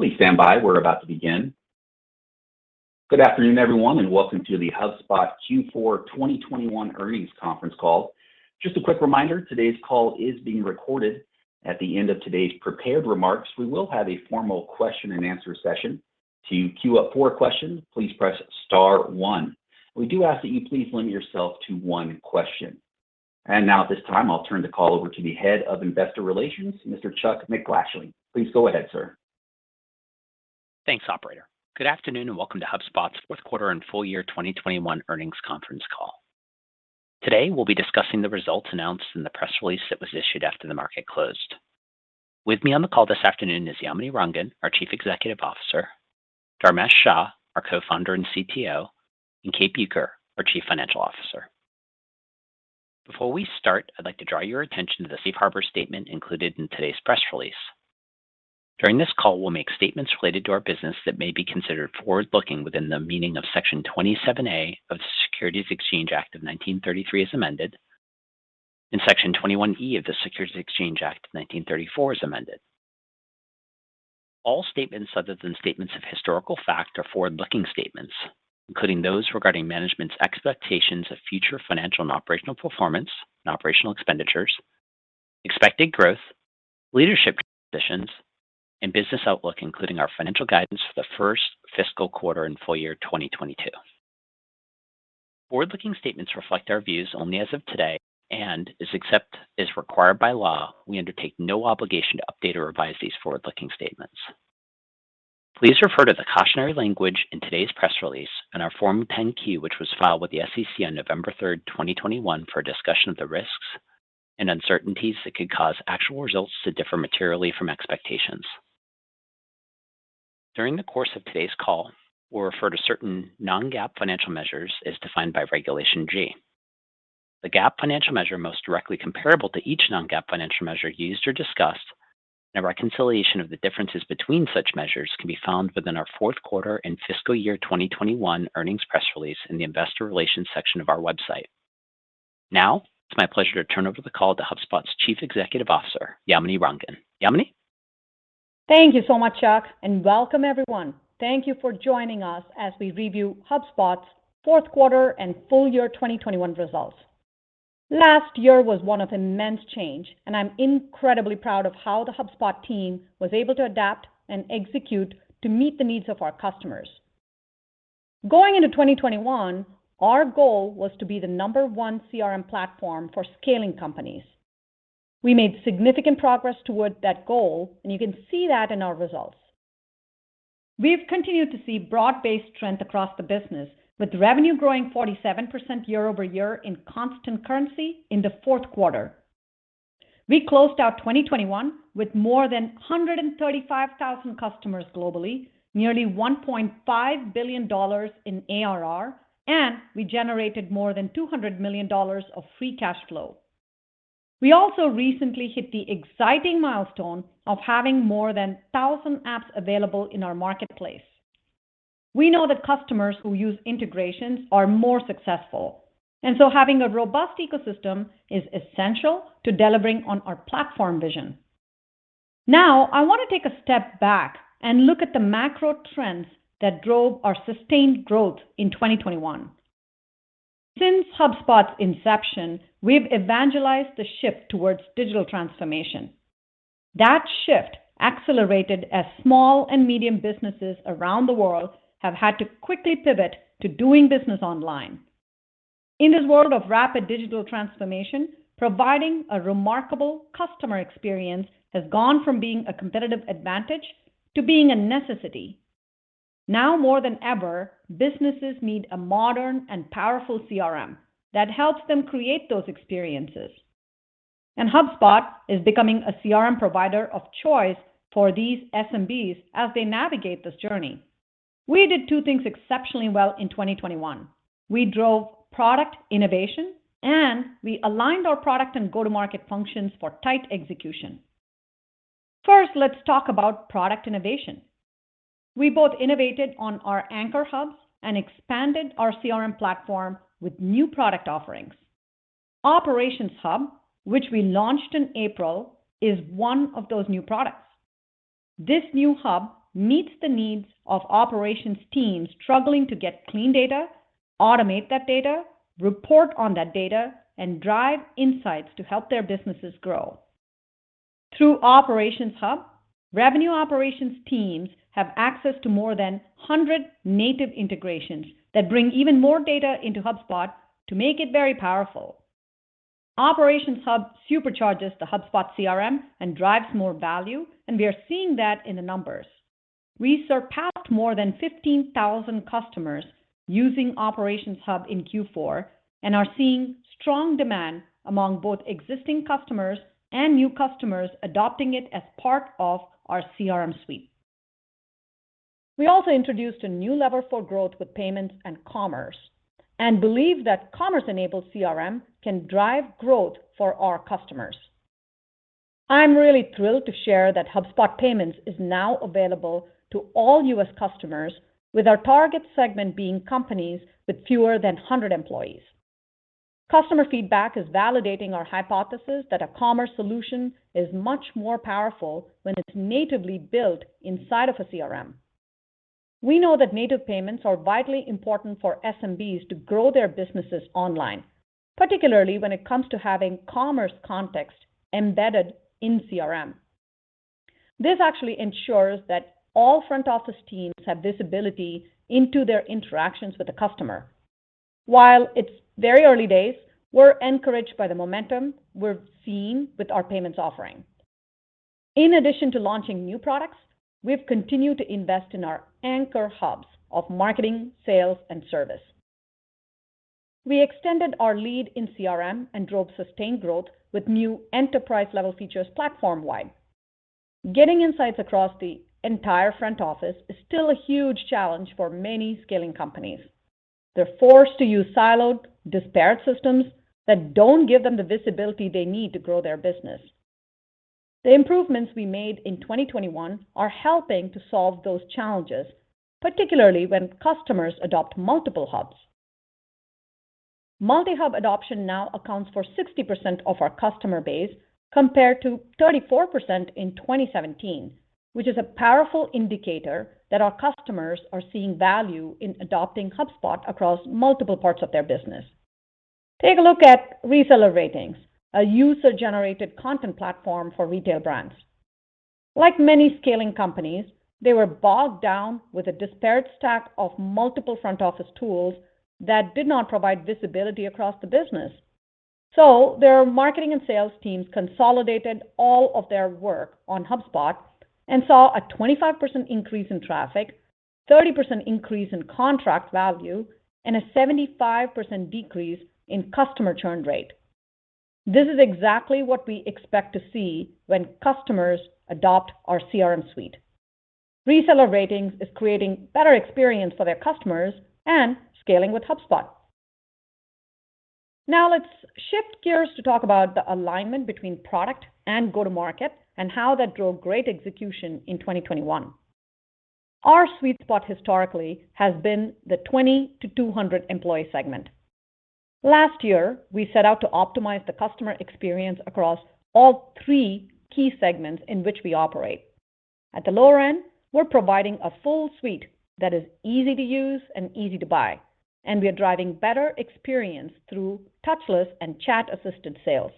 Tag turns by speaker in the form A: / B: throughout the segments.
A: Please stand by we're about to begin. Good afternoon, everyone, and welcome to the HubSpot Q4 2021 earnings conference call. Just a quick reminder, today's call is being recorded. At the end of today's prepared remarks, we will have a formal question and answer session. To queue up for a question, please press star one. We do ask that you please limit yourself to one question. Now at this time, I'll turn the call over to the head of investor relations, Mr. Chuck MacGlashing. Please go ahead, sir.
B: Thanks, operator. Good afternoon, and welcome to HubSpot's Q4 and full year 2021 earnings conference call. Today, we'll be discussing the results announced in the press release that was issued after the market closed. With me on the call this afternoon is Yamini Rangan, our Chief Executive Officer, Dharmesh Shah, our Co-founder and CTO, and Kate Bueker, our Chief Financial Officer. Before we start, I'd like to draw your attention to the safe harbor statement included in today's press release. During this call, we'll make statements related to our business that may be considered forward-looking within the meaning of Section 27A of the Securities Act of 1933 as amended, and Section 21E of the Securities Exchange Act of 1934 as amended. All statements other than statements of historical fact are forward-looking statements, including those regarding management's expectations of future financial and operational performance and operational expenditures, expected growth, leadership transitions, and business outlook, including our financial guidance for the first fiscal quarter and full year 2022. Forward-looking statements reflect our views only as of today and, except as required by law, we undertake no obligation to update or revise these forward-looking statements. Please refer to the cautionary language in today's press release and our Form 10-Q, which was filed with the SEC on 3 November 2021, for a discussion of the risks and uncertainties that could cause actual results to differ materially from expectations. During the course of today's call, we'll refer to certain non-GAAP financial measures as defined by Regulation G. The GAAP financial measure most directly comparable to each non-GAAP financial measure used or discussed and a reconciliation of the differences between such measures can be found within our Q4 and fiscal year 2021 earnings press release in the investor relations section of our website. Now, it's my pleasure to turn over the call to HubSpot's Chief Executive Officer, Yamini Rangan. Yamini?
C: Thank you so much, Charles, and welcome everyone. Thank you for joining us as we review HubSpot's Q4 and full year 2021 results. Last year was one of immense change, and I'm incredibly proud of how the HubSpot team was able to adapt and execute to meet the needs of our customers. Going into 2021, our goal was to be the number one CRM platform for scaling companies. We made significant progress towards that goal, and you can see that in our results. We've continued to see broad-based trend across the business, with revenue growing 47% year-over-year in constant currency in the Q4. We closed out 2021 with more than 135,000 customers globally, nearly $1.5 billion in ARR, and we generated more than $200 million of free cash flow. We also recently hit the exciting milestone of having more than 1,000 apps available in our marketplace. We know that customers who use integrations are more successful, and so having a robust ecosystem is essential to delivering on our platform vision. Now, I want to take a step back and look at the macro trends that drove our sustained growth in 2021. Since HubSpot's inception, we've evangelized the shift towards digital transformation. That shift accelerated as small and medium businesses around the world have had to quickly pivot to doing business online. In this world of rapid digital transformation, providing a remarkable customer experience has gone from being a competitive advantage to being a necessity. Now more than ever, businesses need a modern and powerful CRM that helps them create those experiences. HubSpot is becoming a CRM provider of choice for these SMBs as they navigate this journey. We did two things exceptionally well in 2021. We drove product innovation, and we aligned our product and go-to-market functions for tight execution. First, let's talk about product innovation. We both innovated on our anchor hubs and expanded our CRM platform with new product offerings. Operations Hub, which we launched in April, is one of those new products. This new hub meets the needs of operations teams struggling to get clean data, automate that data, report on that data, and drive insights to help their businesses grow. Through Operations Hub, revenue operations teams have access to more than 100 native integrations that bring even more data into HubSpot to make it very powerful. Operations Hub supercharges the HubSpot CRM and drives more value, and we are seeing that in the numbers. We surpassed more than 15,000 customers using Operations Hub in Q4 and are seeing strong demand among both existing customers and new customers adopting it as part of our CRM Suite. We also introduced a new lever for growth with payments and commerce and believe that commerce-enabled CRM can drive growth for our customers. I'm really thrilled to share that HubSpot Payments is now available to all U.S. customers with our target segment being companies with fewer than 100 employees. Customer feedback is validating our hypothesis that a commerce solution is much more powerful when it's natively built inside of a CRM. We know that native payments are vitally important for SMBs to grow their businesses online, particularly when it comes to having commerce context embedded in CRM. This actually ensures that all front office teams have visibility into their interactions with the customer. While it's very early days, we're encouraged by the momentum we're seeing with our payments offering. In addition to launching new products, we've continued to invest in our anchor hubs of marketing, sales, and service. We extended our lead in CRM and drove sustained growth with new enterprise level features platform wide. Getting insights across the entire front office is still a huge challenge for many scaling companies. They're forced to use siloed, disparate systems that don't give them the visibility they need to grow their business. The improvements we made in 2021 are helping to solve those challenges, particularly when customers adopt multiple hubs. Multi-hub adoption now accounts for 60% of our customer base, compared to 34% in 2017, which is a powerful indicator that our customers are seeing value in adopting HubSpot across multiple parts of their business. Take a look at ResellerRatings, a user-generated content platform for retail brands. Like many scaling companies, they were bogged down with a disparate stack of multiple front office tools that did not provide visibility across the business. Their marketing and sales teams consolidated all of their work on HubSpot and saw a 25% increase in traffic, 30% increase in contract value, and a 75% decrease in customer churn rate. This is exactly what we expect to see when customers adopt our CRM Suite. ResellerRatings is creating better experience for their customers and scaling with HubSpot. Now let's shift gears to talk about the alignment between product and go-to-market, and how that drove great execution in 2021. Our sweet spot historically has been the 20 to 200 employee segment. Last year, we set out to optimize the customer experience across all three key segments in which we operate. At the lower end, we're providing a full suite that is easy to use and easy to buy, and we are driving better experience through touchless and chat-assisted sales.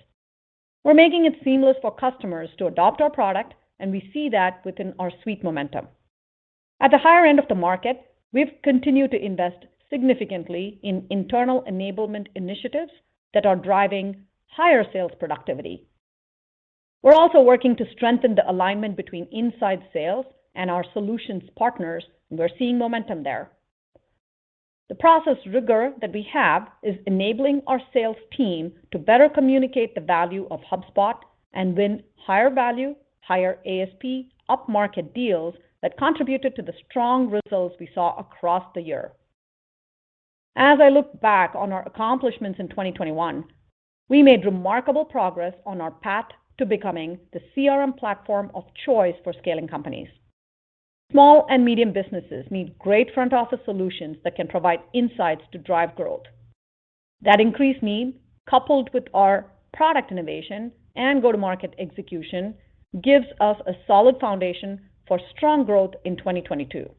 C: We're making it seamless for customers to adopt our product, and we see that within our suite momentum. At the higher end of the market, we've continued to invest significantly in internal enablement initiatives that are driving higher sales productivity. We're also working to strengthen the alignment between inside sales and our solutions partners. We're seeing momentum there. The process rigor that we have is enabling our sales team to better communicate the value of HubSpot and win higher value, higher ASP upmarket deals that contributed to the strong results we saw across the year. As I look back on our accomplishments in 2021, we made remarkable progress on our path to becoming the CRM platform of choice for scaling companies. Small and medium businesses need great front office solutions that can provide insights to drive growth. That increased need, coupled with our product innovation and go-to-market execution, gives us a solid foundation for strong growth in 2022.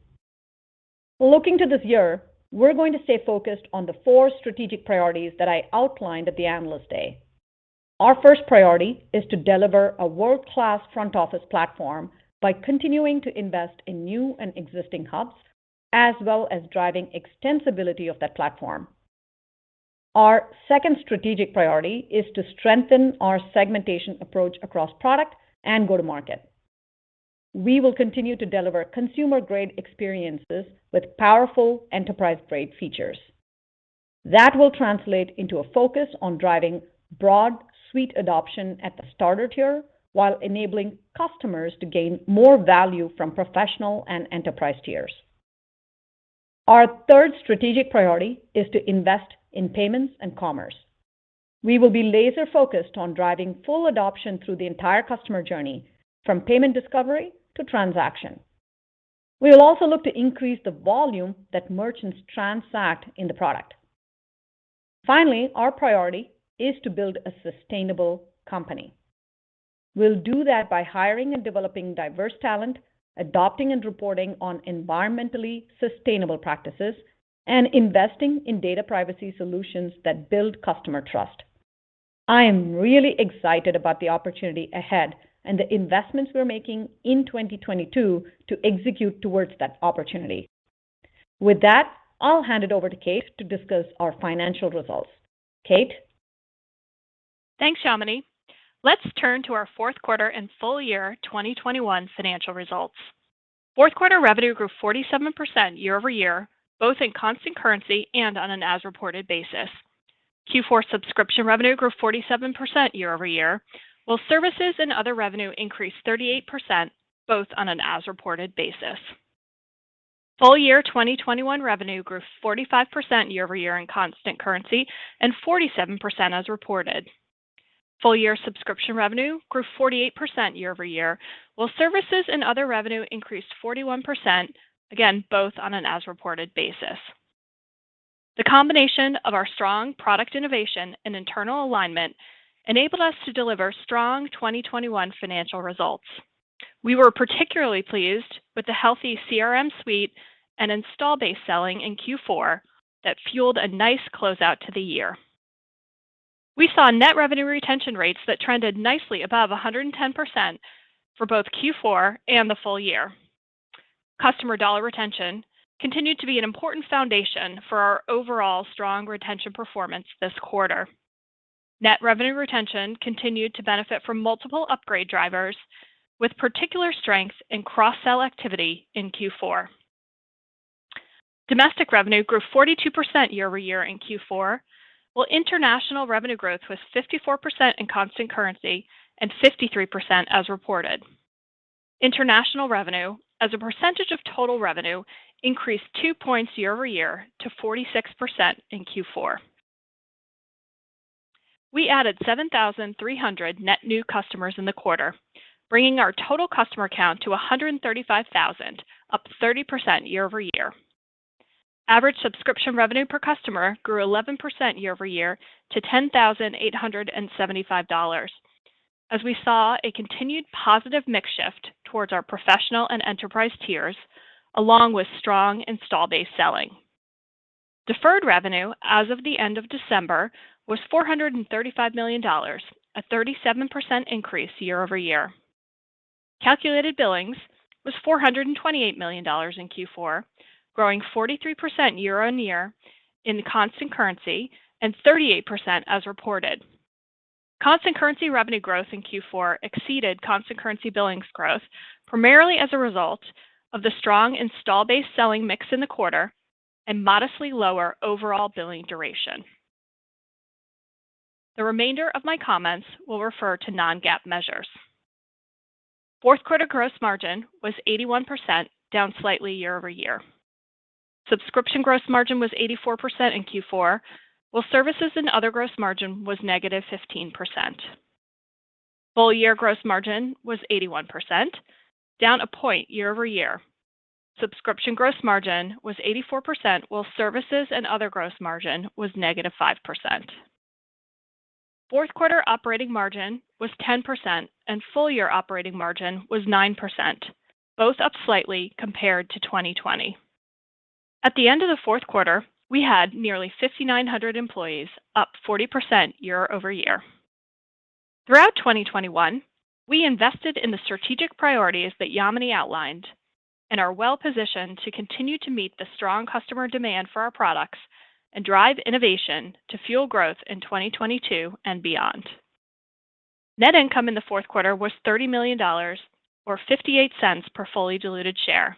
C: Looking to this year, we're going to stay focused on the four strategic priorities that i outlined at the Analyst Day. Our first priority is to deliver a world-class front office platform by continuing to invest in new and existing hubs, as well as driving extensibility of that platform. Our second strategic priority is to strengthen our segmentation approach across product and go-to-market. We will continue to deliver consumer-grade experiences with powerful enterprise-grade features. That will translate into a focus on driving broad suite adoption at the starter tier while enabling customers to gain more value from professional and enterprise tiers. Our third strategic priority is to invest in payments and commerce. We will be laser-focused on driving full adoption through the entire customer journey, from payment discovery to transaction. We will also look to increase the volume that merchants transact in the product. Finally, our priority is to build a sustainable company. We'll do that by hiring and developing diverse talent, adopting and reporting on environmentally sustainable practices, and investing in data privacy solutions that build customer trust. I am really excited about the opportunity ahead and the investments we're making in 2022 to execute towards that opportunity. With that, I'll hand it over to Kate to discuss our financial results. Kate?
D: Thanks, Yamini. Let's turn to our Q4 and full year 2021 financial results. Q4 revenue grew 47% year-over-year, both in constant currency and on an as reported basis. Q4 subscription revenue grew 47% year-over-year, while services and other revenue increased 38%, both on an as reported basis. Full year 2021 revenue grew 45% year-over-year in constant currency, and 47% as reported. Full year subscription revenue grew 48% year-over-year, while services and other revenue increased 41%, again, both on an as-reported basis. The combination of our strong product innovation and internal alignment enabled us to deliver strong 2021 financial results. We were particularly pleased with the healthy CRM Suite and install base selling in Q4 that fueled a nice closeout to the year. We saw net revenue retention rates that trended nicely above 110% for both Q4 and the full year. Customer dollar retention continued to be an important foundation for our overall strong retention performance this quarter. Net revenue retention continued to benefit from multiple upgrade drivers with particular strength in cross-sell activity in Q4. Domestic revenue grew 42% year-over-year in Q4, while international revenue growth was 54% in constant currency and 53% as reported. International revenue as a percentage of total revenue increased 2 points year-over-year to 46% in Q4. We added 7,300 net new customers in the quarter, bringing our total customer count to 135,000, up 30% year-over-year. Average subscription revenue per customer grew 11% year-over-year to $10,875 as we saw a continued positive mix shift towards our professional and enterprise tiers along with strong installed base selling. Deferred revenue as of the end of December was $435 million, a 37% increase year-over-year. Calculated billings was $428 million in Q4, growing 43% year-over-year in constant currency and 38% as reported. Constant currency revenue growth in Q4 exceeded constant currency billings growth primarily as a result of the strong installed base selling mix in the quarter and modestly lower overall billing duration. The remainder of my comments will refer to non-GAAP measures. Q4 gross margin was 81%, down slightly year-over-year. Subscription gross margin was 84% in Q4, while services and other gross margin was -15%. Full year gross margin was 81%, down 1 point year-over-year. Subscription gross margin was 84%, while services and other gross margin was -5%. Q4 operating margin was 10%, and full year operating margin was 9%, both up slightly compared to 2020. At the end of the Q4, we had nearly 5,900 employees, up 40% year-over-year. Throughout 2021, we invested in the strategic priorities that Yamini outlined and are well positioned to continue to meet the strong customer demand for our products and drive innovation to fuel growth in 2022 and beyond. Net income in the Q4 was $30 million or $0.58 per fully diluted share.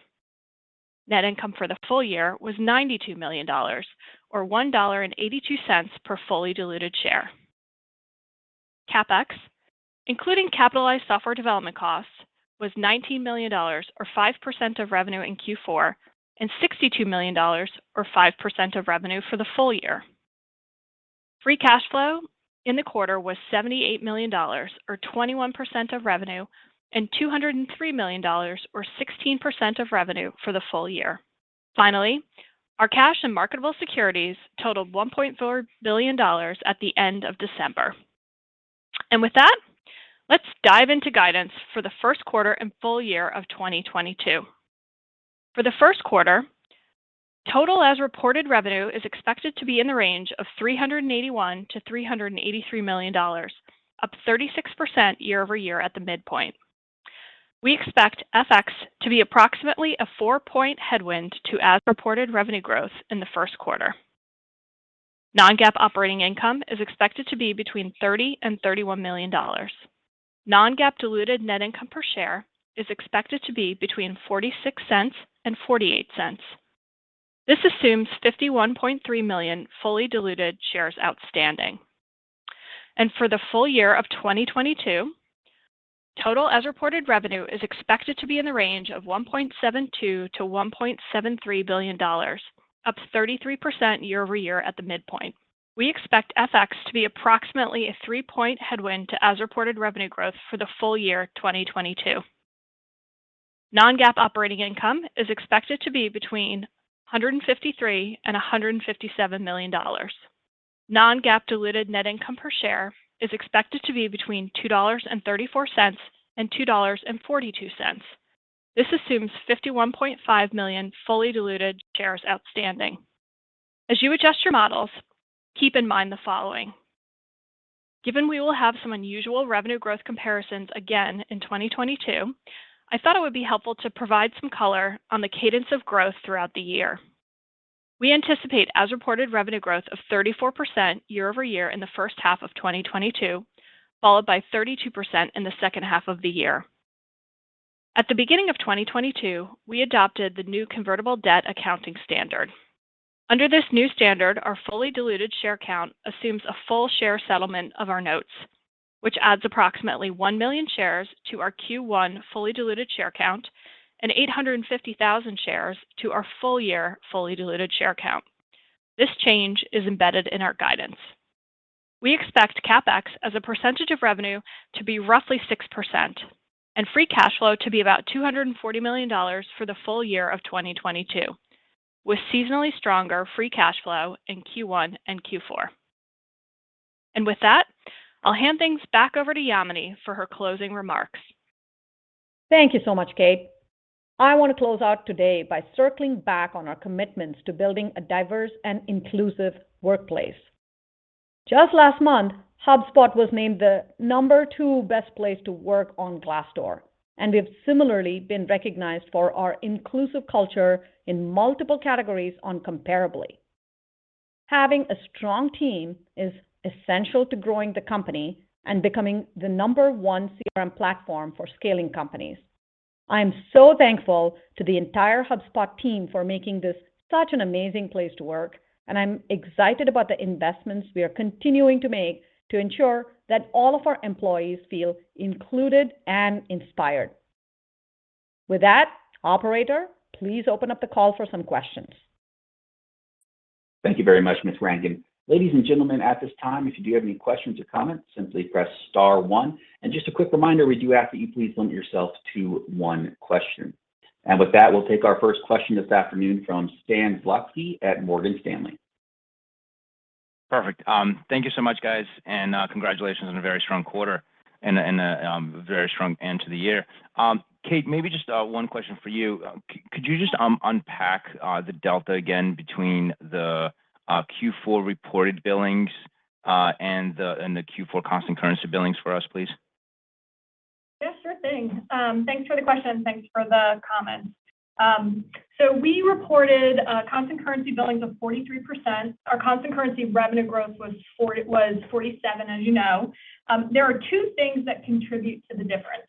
D: Net income for the full year was $92 million or $1.82 per fully diluted share. CapEx, including capitalized software development costs, was $19 million, or 5% of revenue in Q4, and $62 million or 5% of revenue for the full year. Free cash flow in the quarter was $78 million, or 21% of revenue, and $203 million or 16% of revenue for the full year. Finally, our cash and marketable securities totaled $1.4 billion at the end of December. With that, let's dive into guidance for the Q1 and full year of 2022. For the Q1, total as-reported revenue is expected to be in the range of $381 to 383 million, up 36% year-over-year at the midpoint. We expect FX to be approximately a 4-point headwind to as-reported revenue growth in the Q1. Non-GAAP operating income is expected to be between $30 million and $31 million. Non-GAAP diluted net income per share is expected to be between $0.46 and $0.48. This assumes $51.3 million fully diluted shares outstanding. For the full year of 2022, total as-reported revenue is expected to be in the range of $1.72 to 1.73 billion, up 33% year-over-year at the midpoint. We expect FX to be approximately a 3-point headwind to as-reported revenue growth for the full year 2022. Non-GAAP operating income is expected to be between $153 million and $157 million. Non-GAAP diluted net income per share is expected to be between $2.34 and $2.42. This assumes $51.5 million fully diluted shares outstanding. As you adjust your models, keep in mind the following. Given we will have some unusual revenue growth comparisons again in 2022, I thought it would be helpful to provide some color on the cadence of growth throughout the year. We anticipate as-reported revenue growth of 34% year-over-year in the first half of 2022, followed by 32% in the second half of the year. At the beginning of 2022, we adopted the new convertible debt accounting standard. Under this new standard, our fully diluted share count assumes a full share settlement of our notes, which adds approximately $1 million shares to our Q1 fully diluted share count and $850,000 shares to our full year fully diluted share count. This change is embedded in our guidance. We expect CapEx as a percentage of revenue to be roughly 6% and free cash flow to be about $240 million for the full year of 2022, with seasonally stronger free cash flow in Q1 and Q4. With that, I'll hand things back over to Yamini for her closing remarks.
C: Thank you so much, Kate. I want to close out today by circling back on our commitments to building a diverse and inclusive workplace. Just last month, HubSpot was named the number two best place to work on Glassdoor, and we have similarly been recognized for our inclusive culture in multiple categories on Comparably. Having a strong team is essential to growing the company and becoming the number one CRM platform for scaling companies. I am so thankful to the entire HubSpot team for making this such an amazing place to work, and I'm excited about the investments we are continuing to make to ensure that all of our employees feel included and inspired. With that, operator, please open up the call for some questions.
A: Thank you very much, Ms. Rangan. Ladies and gentlemen, at this time, if you do have any questions or comments, simply press star one. Just a quick reminder, we do ask that you please limit yourself to one question. With that, we'll take our first question this afternoon from Stan Zlotsky at Morgan Stanley.
E: Perfect. Thank you so much, guys, and congratulations on a very strong quarter and a very strong end to the year. Kate, maybe just one question for you. Could you just unpack the delta again between the Q4 reported billings? and the Q4 constant currency billings for us, please?
D: Yeah, sure thing. Thanks for the question and thanks for the comments. We reported constant currency billings of 43%. Our constant currency revenue growth was 47%, as you know. There are two things that contribute to the difference.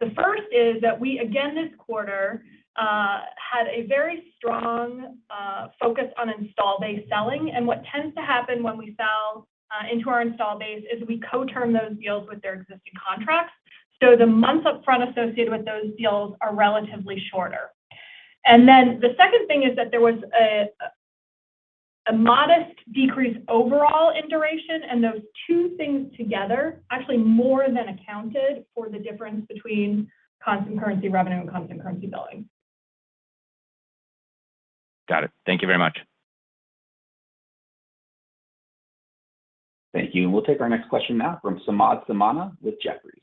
D: The first is that we, again, this quarter, had a very strong focus on install base selling and what tends to happen when we sell into our install base is we co-term those deals with their existing contracts. The months up front associated with those deals are relatively shorter. The second thing is that there was a modest decrease overall in duration, and those two things together actually more than accounted for the difference between constant currency revenue and constant currency billing.
E: Got it. Thank you very much.
A: Thank you. We'll take our next question now from Samad Samana with Jefferies.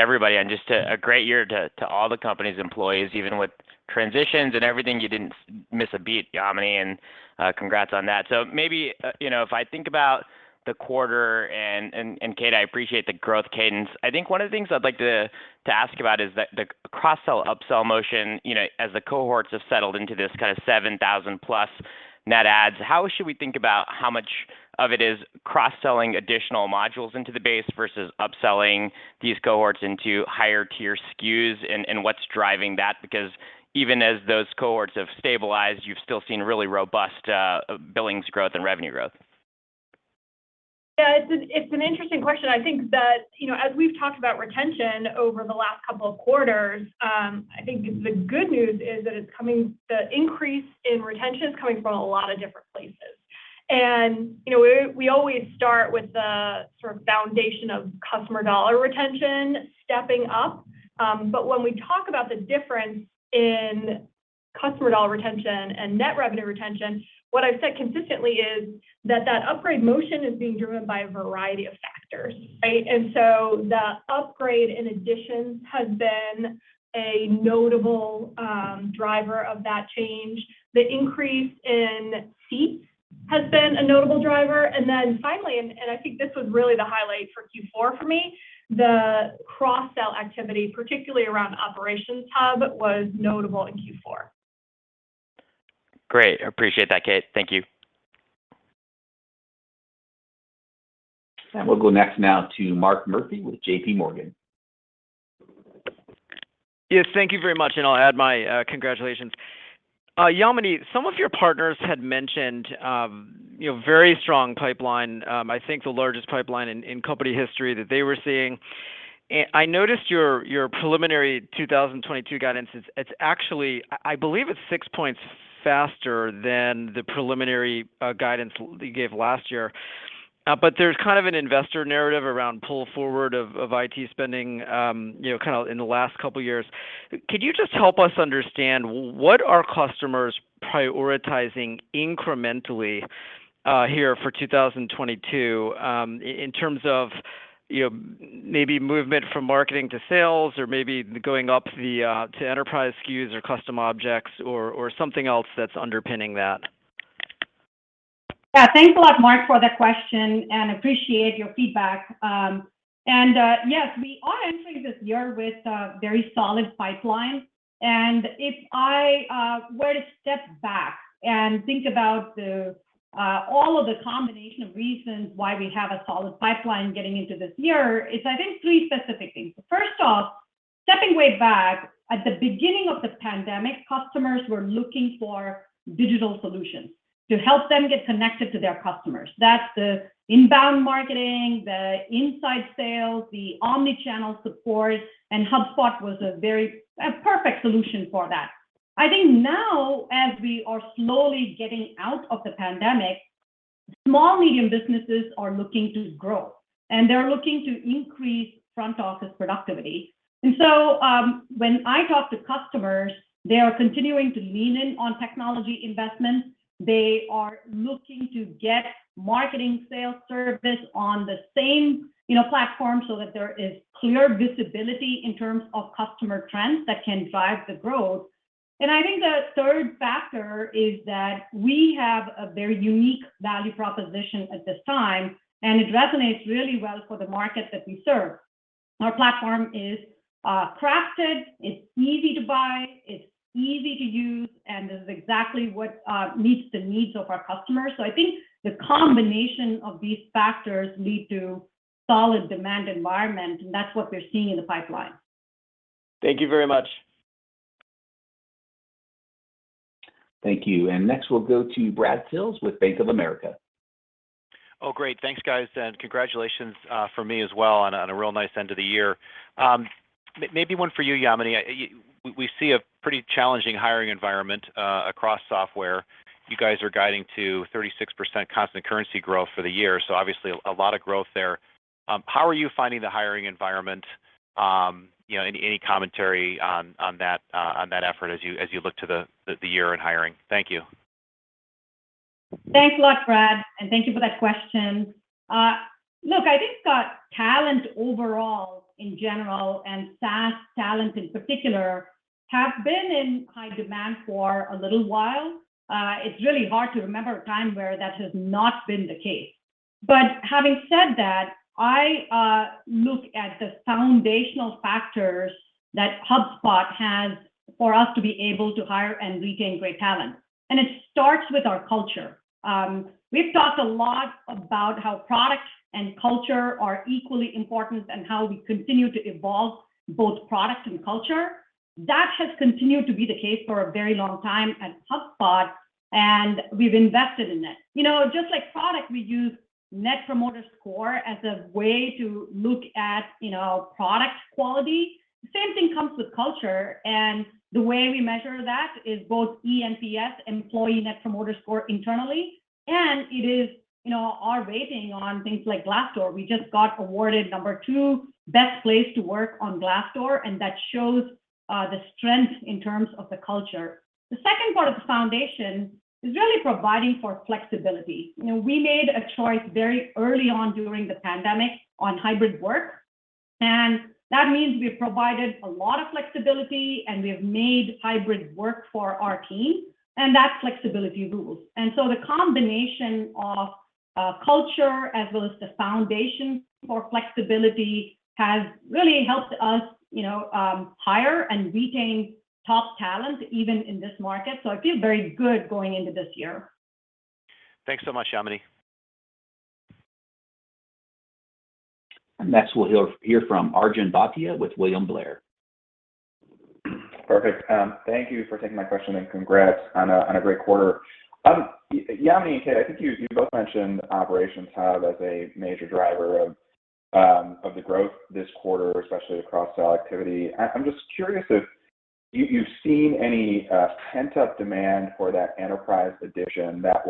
F: Everybody, and just a great year to all the company's employees even with transitions and everything, you didn't miss a beat, Yamini, and congrats on that maybe you know, if I think about the quarter and Kate, I appreciate the growth cadence. I think one of the things I'd like to ask about is the cross-sell, up-sell motion, you know, as the cohorts have settled into this kind of 7,000+ net adds. How should we think about how much of it is cross-selling additional modules into the base versus upselling these cohorts into higher tier SKUs and what's driving that? Because even as those cohorts have stabilized, you've still seen really robust billings growth and revenue growth.
D: Yeah. It's an interesting question. I think that, you know, as we've talked about retention over the last couple of quarters, I think the good news is that the increase in retention is coming from a lot of different places. You know, we always start with the sort of foundation of customer dollar retention? stepping up. But when we talk about the difference in customer dollar retention and net revenue retention, what I've said consistently is that that upgrade motion is being driven by a variety of factors, right? The upgrade and additions has been a notable driver of that change. The increase in seats has been a notable driver and then finally, I think this was really the highlight for Q4 for me, the cross-sell activity, particularly around Operations Hub, was notable in Q4.
F: Great. I appreciate that, Kate. Thank you.
A: We'll go next now to Mark Murphy with JP Morgan.
G: Yes, thank you very much, and I'll add my congratulations. Yamini, some of your partners had mentioned, you know, very strong pipeline, I think the largest pipeline in company history that they were seeing. I noticed your preliminary 2022 guidance it's actually I believe it's six points faster than the preliminary guidance you gave last year. There's kind of an investor narrative around pull forward of IT spending, you know, kind of in the last couple years. Could you just help us understand what are customers prioritizing incrementally here for 2022? in terms of you know maybe movement from marketing to sales? or maybe going up to enterprise SKUs or custom objects or something else that's underpinning that?
C: Yeah. Thanks a lot, Mark, for the question and I appreciate your feedback. Yes, we are entering this year with a very solid pipeline. If I were to step back and think about all of the combination of reasons why we have a solid pipeline getting into this year, it's, I think, three specific things first off, stepping way back, at the beginning of the pandemic, customers were looking for digital solutions to help them get connected to their customers that's, the inbound marketing, the inside sales, the omni-channel support, and HubSpot was a very perfect solution for that. I think now, as we are slowly getting out of the pandemic, small, medium businesses are looking to grow, and they're looking to increase front office productivity. When I talk to customers, they are continuing to lean in on technology investments. They are looking to get marketing, sales, service on the same, you know, platform so that there is clear visibility in terms of customer trends that can drive the growth. I think the third factor is that we have a very unique value proposition at this time, and it resonates really well for the market that we serve. Our platform is crafted, it's easy to buy, it's easy to use, and is exactly what meets the needs of our customers. I think the combination of these factors lead to solid demand environment, and that's what we're seeing in the pipeline.
G: Thank you very much.
A: Thank you. Next, we'll go to Brad Sills with Bank of America.
H: Oh, great thanks, guys, and congratulations from me as well on a real nice end to the year. Maybe one for you, Yamini. We see a pretty challenging hiring environment across software. You guys are guiding to 36% constant currency growth for the year, so obviously a lot of growth there. How are you finding the hiring environment? You know, any commentary on that effort as you look to the year in hiring? Thank you.
C: Thanks a lot, Brad, and thank you for that question. Look, I think that talent overall in general, and SaaS talent in particular, have been in high demand for a little while. It's really hard to remember a time where that has not been the case. Having said that, I look at the foundational factors that HubSpot has for us to be able to hire and retain great talent and it starts with our culture. We've talked a lot about how product and culture are equally important and how we continue to evolve both product and culture. That has continued to be the case for a very long time at HubSpot, and we've invested in it. You know, just like product, we use Net Promoter Score as a way to look at, you know, product quality. Same thing comes with culture, and the way we measure that is both eNPS, Employee Net Promoter Score, internally, and it is, you know, our rating on things like Glassdoor we just got awarded No. 2 "Best Place to Work" on Glassdoor, and that shows the strength in terms of the culture. The second part of the foundation is really providing for flexibility. You know, we made a choice very early on during the pandemic on hybrid work, and that means we've provided a lot of flexibility, and we have made hybrid work for our team, and that flexibility rules. The combination of culture as well as the foundation for flexibility has really helped us, you know, hire and retain top talent even in this market i feel very good going into this year.
H: Thanks so much, Yamini.
A: Next, we'll hear from Arjun Bhatia with William Blair.
I: Perfect. Thank you for taking my question, and congrats on a great quarter. Yamini and Kate, I think you both mentioned Operations Hub as a major driver of the growth this quarter, especially across sales activity. I'm just curious if you've seen any pent-up demand for that enterprise edition that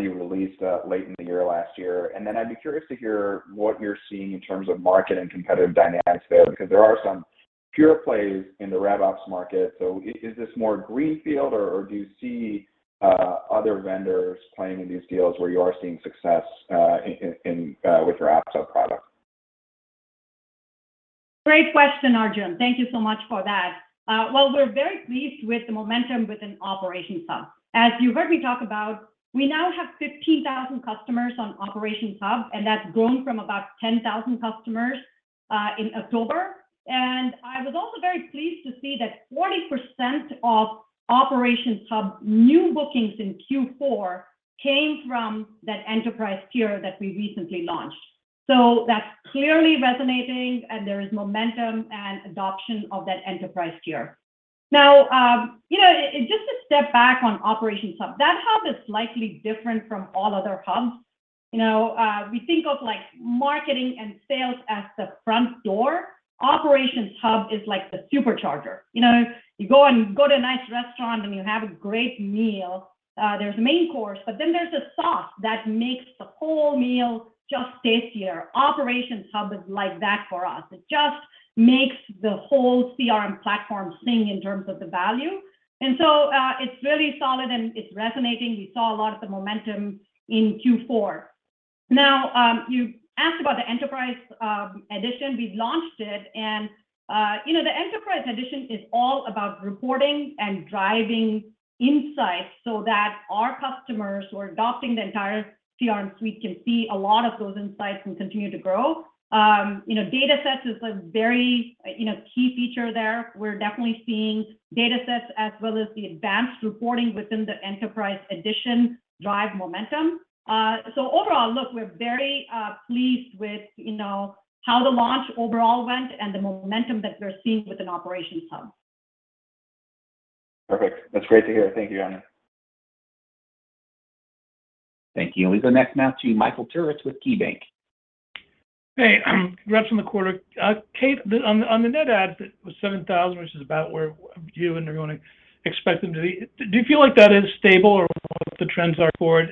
I: you released late in the year last year i'd be curious to hear what you're seeing in terms of market and competitive dynamics there, because there are some pure plays in the rev ops market is this more greenfield? or do you see other vendors playing in these deals where you are seeing success in with your App Store product?
C: Great question, Arjun. Thank you so much for that. Well, we're very pleased with the momentum within Operations Hub. As you heard me talk about, we now have 15,000 customers on Operations Hub, and that's grown from about 10,000 customers in October. I was also very pleased to see that 40% of Operations Hub new bookings in Q4 came from that enterprise tier that we recently launched. That's clearly resonating, and there is momentum and adoption of that enterprise tier. Now, you know, just to step back on Operations Hub, that hub is slightly different from all other hubs. You know, we think of like marketing and sales as the front door. Operations Hub is like the supercharger you know, you go and go to a nice restaurant, and you have a great meal. There's a main course, but then there's a sauce that makes the whole meal just tastier Operations Hub is like that for us it just makes the whole CRM platform sing in terms of the value. It's really solid, and it's resonating we saw a lot of the momentum in Q4. Now, you asked about the enterprise edition we've launched it and, you know, the enterprise edition is all about reporting and driving insights so that our customers who are adopting the entire CRM Suite can see a lot of those insights and continue to grow. You know, datasets is a very, you know, key feature there. We're definitely seeing datasets as well as the advanced reporting within the enterprise edition drive momentum. Overall, look, we're very pleased with, you know, how the launch overall went and the momentum that we're seeing within Operations Hub.
I: Perfect. That's great to hear. Thank you, Yamini.
A: Thank you we go next now to Michael Turits with KeyBanc.
J: Hey, congrats on the quarter. Kate, on the net adds, it was 7,000, which is about where you and everyone expected them to be do you feel like that is stable or what the trends are for it?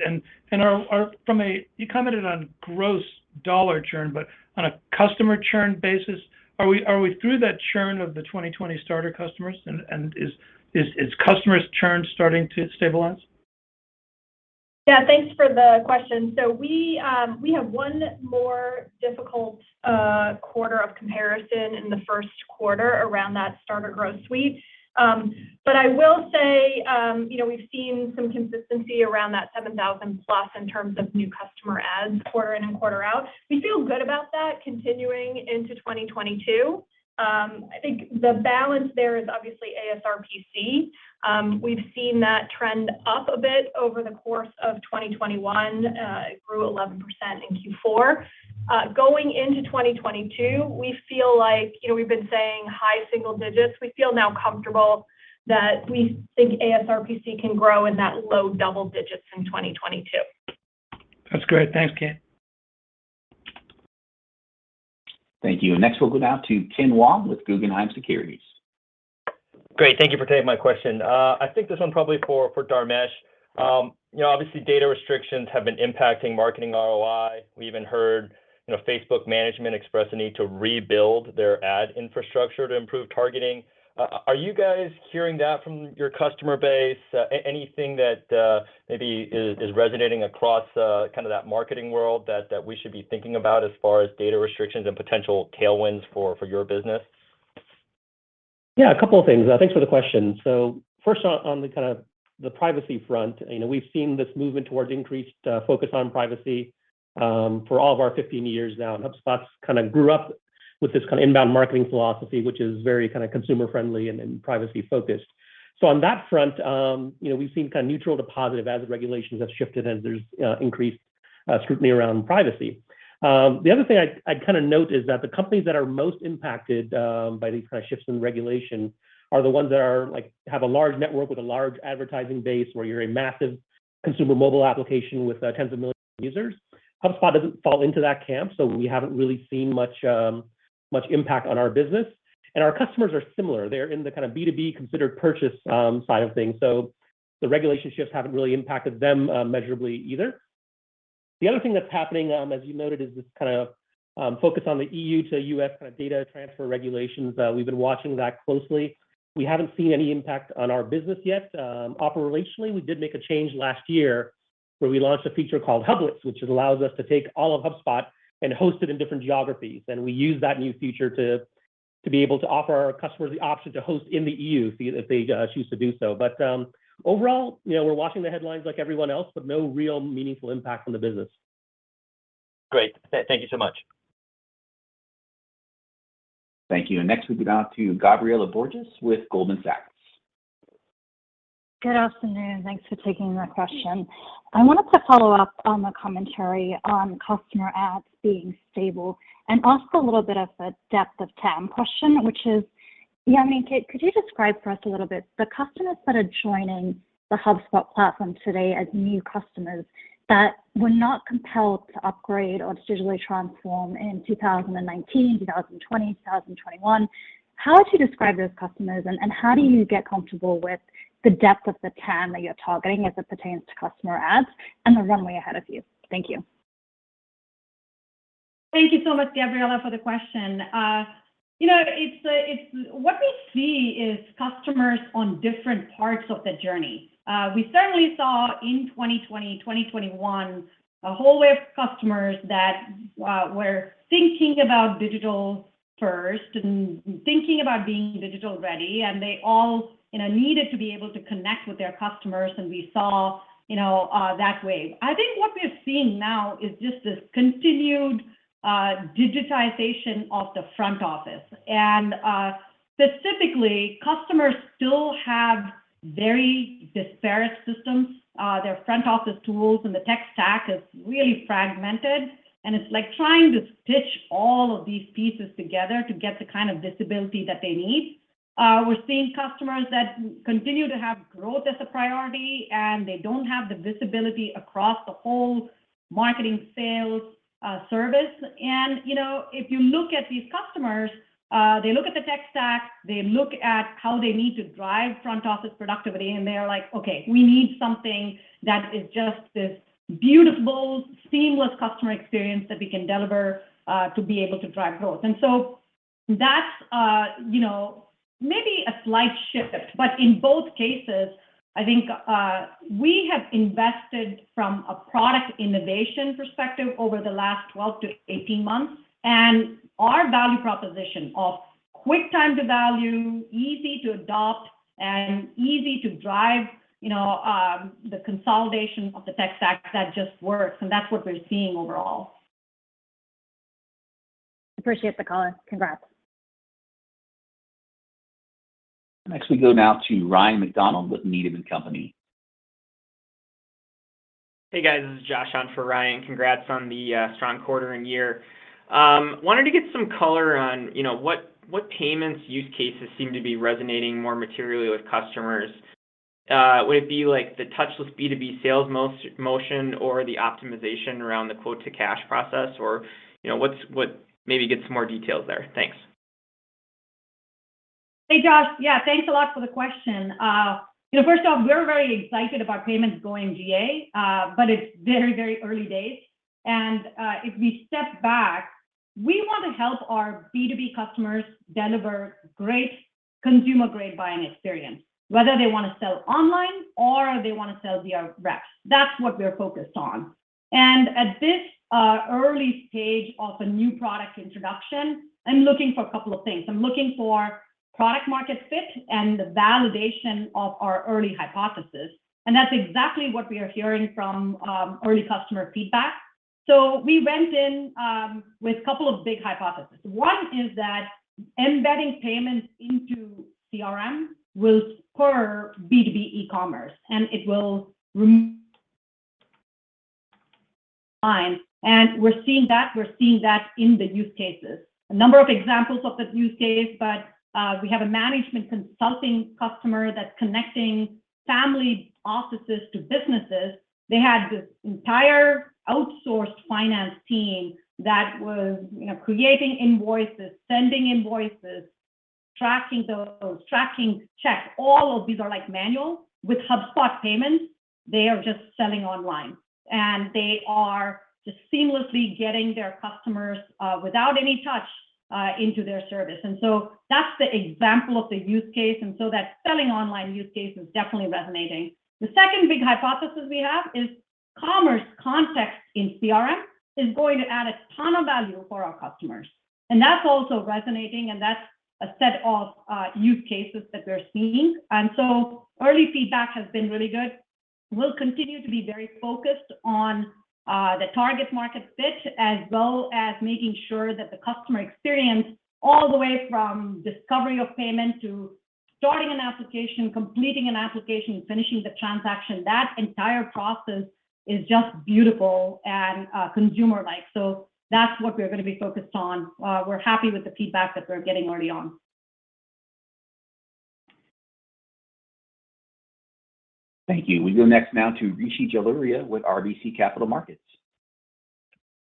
J: You commented on gross dollar churn, but on a customer churn basis, are we through that churn of the 2020 starter customers and is customer churn starting to stabilize?
D: Yeah, thanks for the question so we have one more difficult quarter of comparison in the Q1 around that Starter Growth Suite. I will say, you know, we've seen some consistency around that +7,000 in terms of new customer adds quarter in and quarter out. We feel good about that continuing into 2022. I think the balance there is obviously ASRPC. We've seen that trend up a bit over the course of 2021. It grew 11% in Q4. Going into 2022, we feel like, you know, we've been saying high single digits we feel now comfortable that we think ASRPC can grow in that low double digits in 2022.
J: That's great. Thanks, Kate.
A: Thank you. Next, we'll go now to Kenneth Wong with Guggenheim Securities.
K: Great. Thank you for taking my question. I think this one probably for Dharmesh. You know, obviously data restrictions have been impacting marketing ROI. We even heard, you know, Facebook management express a need to rebuild their ad infrastructure to improve targeting. Are you guys hearing that from your customer base? Anything that maybe is resonating across kinda that marketing world that we should be thinking about as far as data restrictions and potential tailwinds for your business?
L: Yeah, a couple of things thanks for the question. First on the kinda the privacy front, you know, we've seen this movement towards increased focus on privacy for all of our 15 years now HubSpot's kinda grew up with this kinda inbound marketing philosophy, which is very kinda consumer friendly and privacy focused. On that front, you know, we've seen kinda neutral to positive as the regulations have shifted and there's increased scrutiny around privacy. The other thing I'd kinda note is that the companies that are most impacted by these kinda shifts in regulation are the ones that are like, have a large network with a large advertising base, or you're a massive consumer mobile application with tens of millions of users. HubSpot doesn't fall into that camp, so we haven't really seen much impact on our business. Our customers are similar they're in the kinda B2B considered purchase side of things. The regulation shifts haven't really impacted them measurably either? The other thing that's happening, as you noted, is this kinda focus on the EU to U.S. kinda data transfer regulations we've been watching that closely. We haven't seen any impact on our business yet. Operationally, we did make a change last year where we launched a feature called Hublet, which allows us to take all of HubSpot and host it in different geographies and we use that new feature to be able to offer our customers the option to host in the EU if they choose to do so. Overall, you know, we're watching the headlines like everyone else, but no real meaningful impact on the business.
K: Great. Thank you so much.
A: Thank you. Next, we go now to Gabriela Borges with Goldman Sachs.
M: Good afternoon. Thanks for taking my question. I wanted to follow up on the commentary on customer adds being stable and ask a little bit of a depth of TAM question, which is, Yamini, could you describe for us a little bit the customers that are joining the HubSpot platform today as new customers that were not compelled to upgrade or to digitally transform in 2019, 2020, 2021. How would you describe those customers? and how do you get comfortable with the depth of the TAM that you're targeting as it pertains to customer adds and the runway ahead of you? Thank you.
C: Thank you so much, Gabriela, for the question. You know, it's the... What we see is customers on different parts of the journey. We certainly saw in 2020, 2021 a whole wave of customers that were thinking about digital first and thinking about being digital ready, and they all, you know, needed to be able to connect with their customers, and we saw, you know, that wave. I think what we're seeing now is just this continued digitization of the front office. Specifically, customers still have very disparate systems. Their front office tools and the tech stack is really fragmented, and it's like trying to stitch all of these pieces together to get the kind of visibility that they need. We're seeing customers that continue to have growth as a priority, and they don't have the visibility across the whole marketing, sales, service. You know, if you look at these customers, they look at the tech stack, they look at how they need to drive front office productivity, and they are like, "Okay, we need something that is just this beautiful, seamless customer experience that we can deliver to be able to drive growth." That's, you know, maybe a slight shift in both cases, I think, we have invested from a product innovation perspective over the last 12 to 18 months. Our value proposition of quick time to value, easy to adopt, and easy to drive, you know, the consolidation of the tech stack, that just works, and that's what we're seeing overall.
M: Appreciate the color. Congrats.
A: Next, we go now to Ryan MacDonald with Needham & Company.
N: Hey, guys. This is Josh on for Ryan. Congrats on the strong quarter and year. Wanted to get some color on, you know, what payments use cases seem to be resonating more materially with customers. Would it be like the touchless B2B sales motion? or the optimization around the quote-to-cash process? or, you know, what? Maybe get some more details there. Thanks.
C: Hey, Josh. Yeah, thanks a lot for the question. You know, first off, we're very excited about payments going GA, but it's very, very early days. If we step back, we want to help our B2B customers deliver great consumer-grade buying experience, whether they wanna sell online or they wanna sell via reps. That's what we're focused on. At this early stage of a new product introduction, I'm looking for a couple of things i'm looking for product market fit and the validation of our early hypothesis, and that's exactly what we are hearing from early customer feedback. We went in with a couple of big hypotheses. One is that embedding payments into CRM will spur B2B e-commerce, and it- will realign and we're seeing that in the use cases. A number of examples of the use case, but we have a management consulting customer that's connecting family offices to businesses. They had this entire outsourced finance team that was, you know, creating invoices, sending invoices, tracking those, tracking checks all of these are, like, manual. With HubSpot Payments, they are just selling online, and they are just seamlessly getting their customers without any touch into their service. That's the example of the use case, and so that selling online use case is definitely resonating. The second big hypothesis we have is commerce context in CRM is going to add a ton of value for our customers, and that's also resonating, and that's a set of use cases that we're seeing and so early feedback has been really good. We'll continue to be very focused on the target market fit as well as making sure that the customer experience all the way from discovery of payment to starting an application, completing an application, finishing the transaction, that entire process is just beautiful and consumer-like. That's what we're gonna be focused on. We're happy with the feedback that we're getting early on.
A: Thank you. We go next now to Rishi Jaluria with RBC Capital Markets.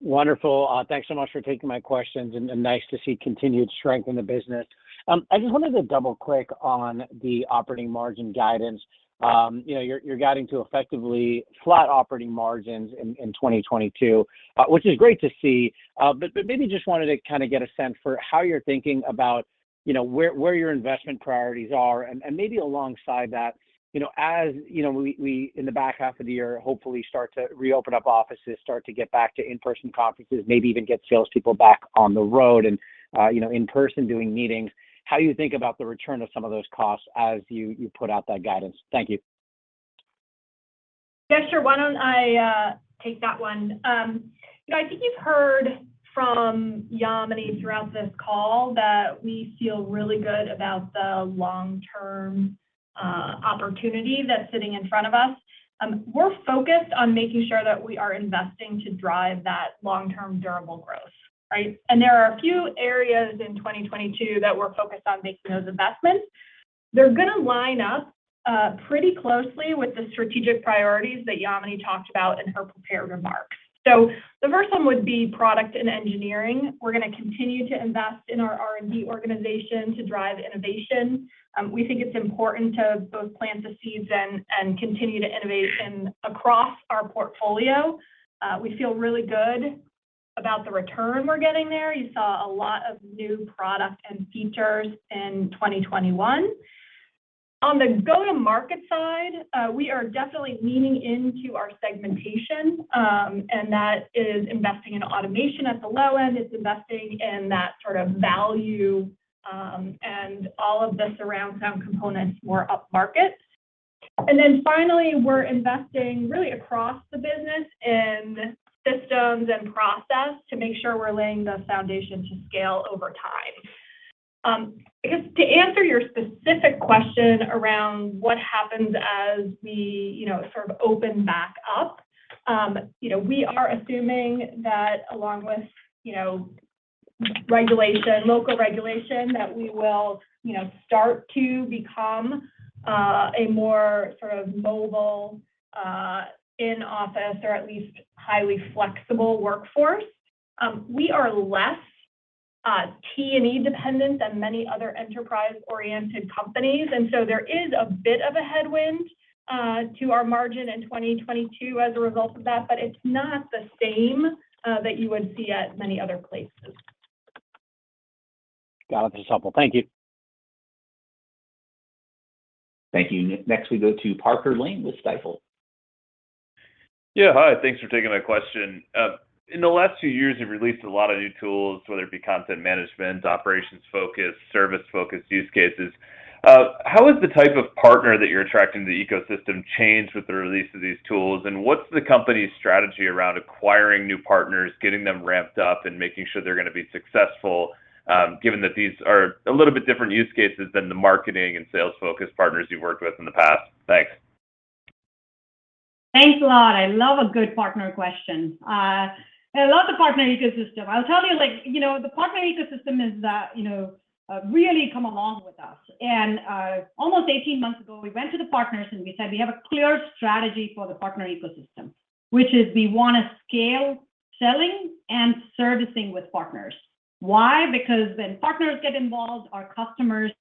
O: Wonderful. Thanks so much for taking my questions, and nice to see continued strength in the business. I just wanted to double-click on the operating margin guidance. You know, you're guiding to effectively flat operating margins in 2022, which is great to see. But maybe just wanted to kinda get a sense for how you're thinking about, you know, where your investment priorities are and maybe alongside that, you know, as you know, we in the back half of the year, hopefully start to reopen up offices, start to get back to in-person conferences, maybe even get salespeople back on the road and, you know, in person doing meetings, how you think about the return of some of those costs as you put out that guidance. Thank you.
D: Yeah, sure. Why don't I take that one? You know, I think you've heard from Yamini throughout this call that we feel really good about the long-term opportunity that's sitting in front of us. We're focused on making sure that we are investing to drive that long-term durable growth, right? There are a few areas in 2022 that we're focused on making those investments. They're gonna line up pretty closely with the strategic priorities that Yamini talked about in her prepared remarks. The first one would be product and engineering. We're gonna continue to invest in our R&D organization to drive innovation. We think it's important to both plant the seeds and continue to innovate across our portfolio. We feel really good about the return we're getting there you saw a lot of new product and features in 2021. On the go-to-market side, we are definitely leaning into our segmentation, and that is investing in automation at the low end it's investing in that sort of value, and all of the surround sound components more up market. Finally, we're investing really across the business in systems and process to make sure we're laying the foundation to scale over time. I guess to answer your specific question around what happens as we, you know, sort of open back up, you know, we are assuming that along with, you know, regulation, local regulation, that we will start to become a more sort of mobile, in-office or at least highly flexible workforce. We are less T&E dependent than many other enterprise-oriented companies, and so there is a bit of a headwind? to our margin in 2022 as a result of that, but it's not the same that you would see at many other places.
O: Got it. That's helpful. Thank you.
A: Thank you. Next we go to Parker Lane with Stifel.
P: Yeah, hi. Thanks for taking my question. In the last few years, you've released a lot of new tools, whether it be content management, operations-focused, service-focused use cases. How has the type of partner that you're attracting to the ecosystem changed with the release of these tools? What's the company's strategy around acquiring new partners, getting them ramped up, and making sure they're gonna be successful, given that these are a little bit different use cases than the marketing and sales-focused partners you've worked with in the past? Thanks.
C: Thanks a lot. I love a good partner question. I love the partner ecosystem i'll tell you like, you know, the partner ecosystem has really come along with us. 18 months ago, we went to the partners and we said we have a clear strategy for the partner ecosystem, which is we wanna scale selling and servicing with partners. Why? Because when partners get involved, our customers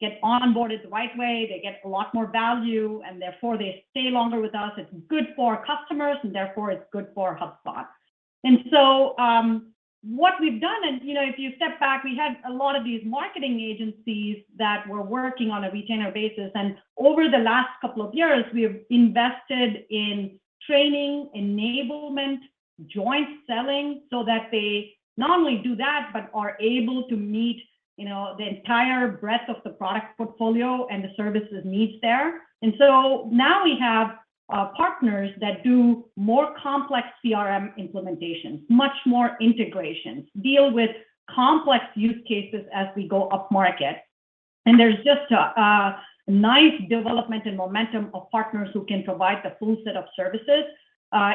C: get onboarded the right way. They get a lot more value, and therefore they stay longer with us it's good for our customers, and therefore it's good for HubSpot. What we've done and, you know, if you step back, we had a lot of these marketing agencies that were working on a retainer basis and over the last couple of years, we have invested in training, enablement, joint selling so that they not only do that, but are able to meet, you know, the entire breadth of the product portfolio and the services needs there. Now we have partners that do more complex CRM implementations, much more integrations, deal with complex use cases as we go upmarket. There's just a nice development and momentum of partners who can provide the full set of services.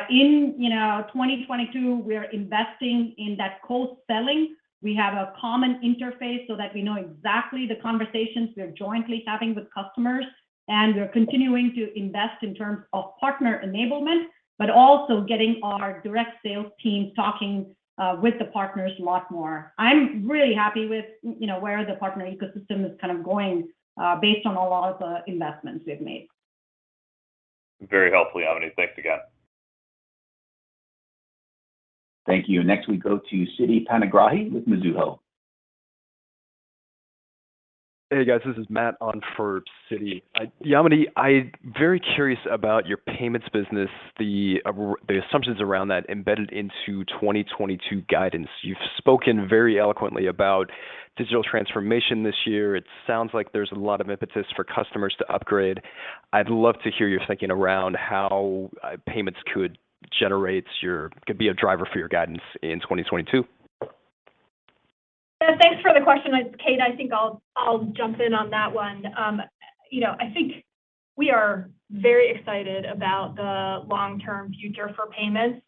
C: In, you know, 2022, we're investing in that co-selling. We have a common interface so that we know exactly the conversations we're jointly having with customers. We're continuing to invest in terms of partner enablement, but also getting our direct sales teams talking with the partners a lot more. I'm really happy with, you know, where the partner ecosystem is kind of going, based on a lot of the investments we've made.
P: Very helpful, Yamini. Thanks again.
A: Thank you. Next we go to Siti Panigrahi with Mizuho.
Q: Hey, guys. This is Matt on for Siti. Yamini, I'm very curious about your payments business, the assumptions around that embedded into 2022 guidance you've spoken very eloquently about digital transformation this year. It sounds like there's a lot of impetus for customers to upgrade. I'd love to hear your thinking around how payments could be a driver for your guidance in 2022.
D: Yeah, thanks for the question. It's Kate i think I'll jump in on that one. You know, I think we are very excited about the long-term future for payments.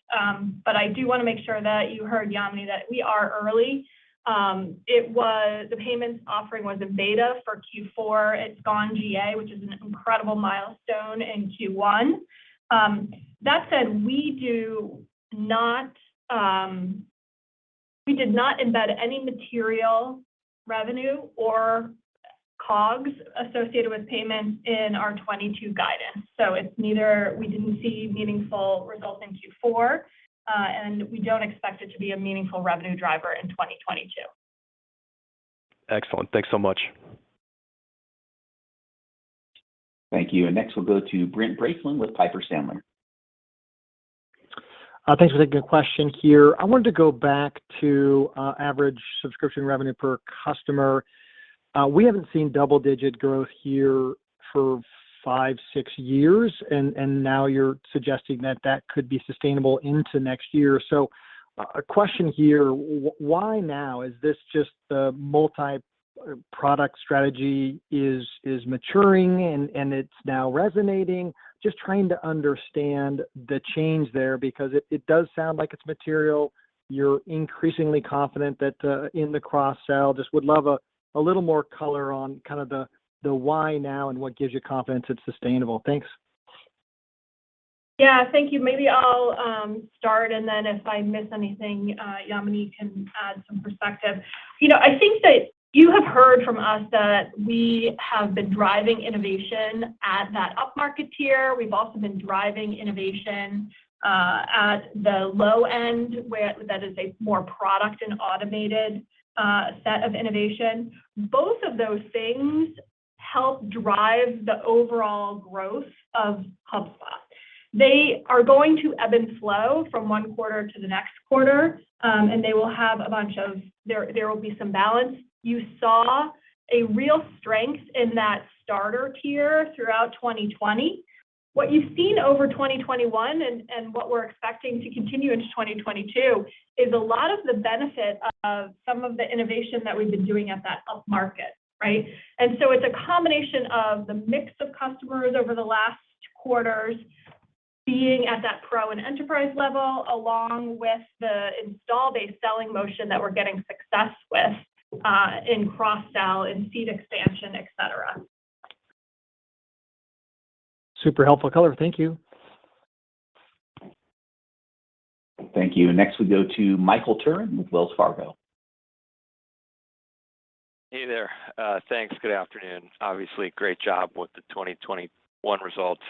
D: But I do wanna make sure that you heard Yamini that we are early. The payments offering was in beta for Q4 it's gone GA, which is an incredible milestone in Q1? That said, we did not embed any material revenue or COGS associated with payments in our 2022 guidance. It's neither we didn't see meaningful results in Q4, and we don't expect it to be a meaningful revenue driver in 2022.
R: Excellent. Thanks so much.
A: Thank you. Next, we'll go to Brent Bracelin with Piper Sandler.
S: Thanks for the good question here. I wanted to go back to average subscription revenue per customer. We haven't seen double-digit growth here for five, six years, and now you're suggesting that could be sustainable into next year. A question here, why now? Is this just the multi-product strategy maturing and it's now resonating? Just trying to understand the change there because it does sound like it's material. You're increasingly confident that in the cross-sell just would love a little more color on kind of the why now and what gives you confidence it's sustainable. Thanks.
D: Yeah. Thank you maybe I'll start, and then if I miss anything, Yamini can add some perspective. You know, I think that you have heard from us that we have been driving innovation at that up-market tier. We've also been driving innovation at the low end where that is a more product and automated set of innovation. Both of those things help drive the overall growth of HubSpot. They are going to ebb and flow from one quarter to the next quarter, and there will be some balance. You saw a real strength in that starter tier throughout 2020. What you've seen over 2021 and what we're expecting to continue into 2022 is a lot of the benefit of some of the innovation that we've been doing at that upmarket, right? It's a combination of the mix of customers over the last quarters being at that pro and enterprise level, along with the installed-base selling motion that we're getting success with, in cross-sell, in seat expansion, etc.
S: Super helpful color. Thank you.
A: Thank you. Next we go to Michael Turrin with Wells Fargo.
T: Hey there. Thanks good afternoon. Obviously, great job with the 2021 results.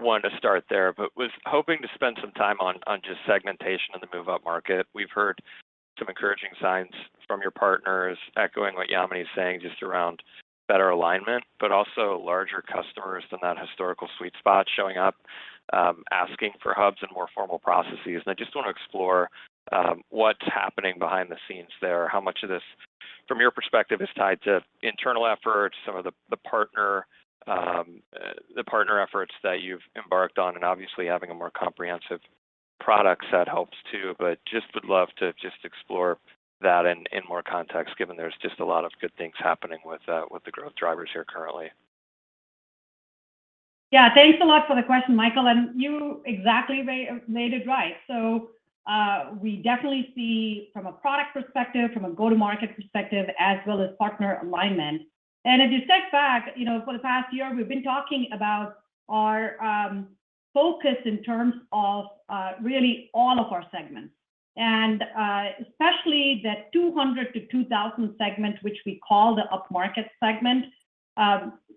T: Wanted to start there, but was hoping to spend some time on just segmentation in the move-up market we've heard some encouraging signs from your partners echoing what Yamini is saying just around better alignment, but also larger customers than that historical sweet spot showing up. Asking for hubs and more formal processes i just wanna explore what's happening behind the scenes there how much of this, from your perspective, is tied to internal efforts, some of the partner efforts that you've embarked on, and obviously having a more comprehensive Products, that helps too, but just would love to just explore that in more context, given there's just a lot of good things happening with the growth drivers here currently.
C: Yeah. Thanks a lot for the question, Michael, and you exactly made it right. We definitely see from a product perspective, from a go-to-market perspective, as well as partner alignment. If you step back, you know, for the past year, we've been talking about our focus in terms of really all of our segments. Especially the 200 to 2,000 segment, which we call the upmarket segment,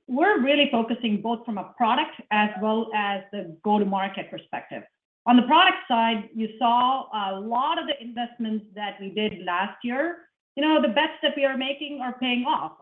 C: we're really focusing both from a product as well as the go-to-market perspective. On the product side, you saw a lot of the investments that we did last year. You know, the bets that we are making are paying off.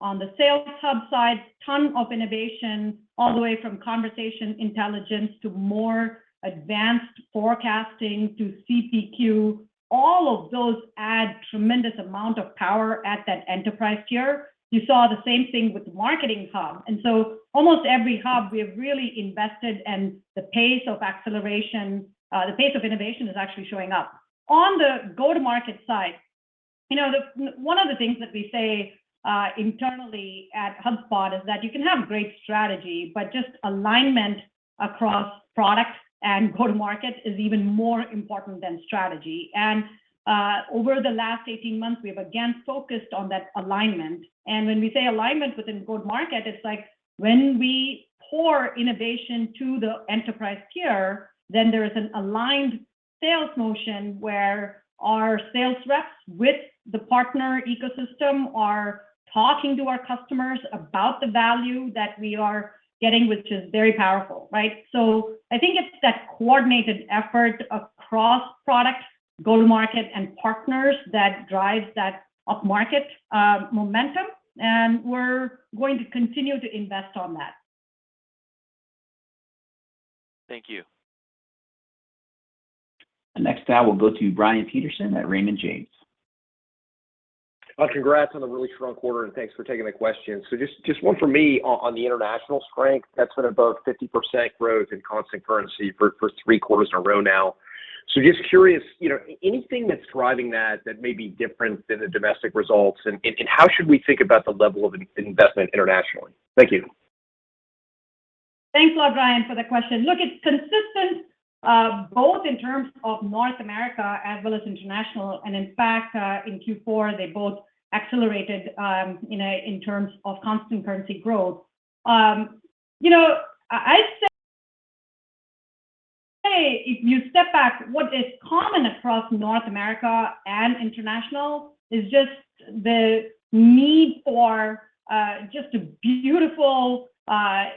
C: On the Sales Hub side, a ton of innovation, all the way from conversation intelligence to more advanced forecasting to CPQ. All of those add a tremendous amount of power at that enterprise tier. You saw the same thing with the Marketing Hub and so, almost every hub we have really invested in the pace of acceleration, the pace of innovation is actually showing up. On the go-to-market side, you know, one of the things that we say internally at HubSpot is that you can have great strategy, but just alignment across products and go-to-market is even more important than strategy. Over the last 18 months, we have again focused on that alignment. When we say alignment within go-to-market, it's like when we pour innovation to the enterprise tier, then there is an aligned sales motion where our sales reps with the partner ecosystem are talking to our customers about the value that we are getting, which is very powerful, right? I think it's that coordinated effort across products, go-to-market, and partners that drives that upmarket momentum, and we're going to continue to invest on that.
T: Thank you.
A: The next dial will go to Brian Peterson at Raymond James.
U: Well, congrats on a really strong quarter, and thanks for taking the question. Just one for me on the international strength that's been above 50% growth in constant currency for three quarters in a row now. Just curious, you know, anything that's driving that that may be different than the domestic results, and how should we think about the level of investment internationally? Thank you.
C: Thanks a lot, Brian, for the question look, it's consistent both in terms of North America as well as international and in fact, in Q4, they both accelerated, you know, in terms of constant currency growth. You know, I'd say if you step back, what is common across North America and international is just the need for just a beautiful,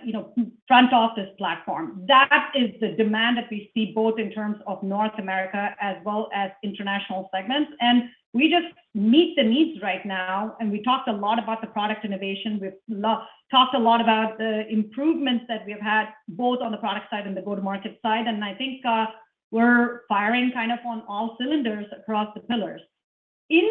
C: you know, front office platform. That is the demand that we see both in terms of North America as well as international segments, and we just meet the needs right now and we talked a lot about the product innovation we've talked a lot about the improvements that we've had both on the product side and the go-to-market side, and I think, we're firing kind of on all cylinders across the pillars. In